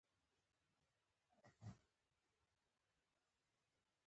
ناظم ته يې په پنجابي باندې څه ويل.